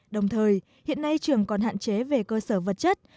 đồng thời hiện nay trường còn hạn chế về cơ sở vật chất